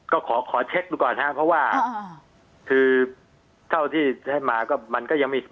ก็ขอเช็คดูก่อนครับเพราะว่าคือเท่าที่ให้มาก็มันก็ยังไม่